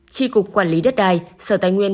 tri cục quản lý đất đài sở tài nguyên